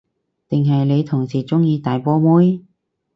定係你同事鍾意大波妹？